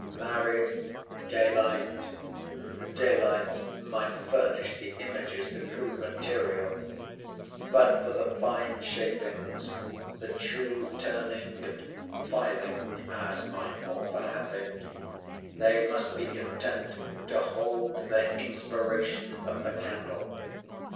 Marry, daylight—daylight might furnish the images, the crude material; but for the fine shapings, the true turning and filing (as mine author hath it), they must be content to hold their inspiration of the candle.